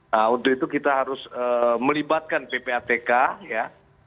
nah untuk itu kita harus melibatkan ppatk ya